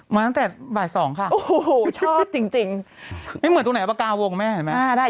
มาตั้งแต่บ่ายสองค่ะโอ้โหชอบจริงจริงนี่เหมือนตัวไหนอัปกาศวงค์ไหมอ่าได้